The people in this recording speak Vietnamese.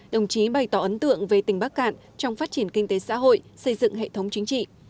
đồng chí bày tỏ ấn tượng về tỉnh bắc cạn trong phát triển kinh tế xã hội xây dựng hệ thống chính trị